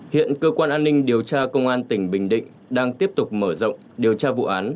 hiện cơ quan an ninh điều tra công an tỉnh bình định đang tiếp tục mở rộng điều tra vụ án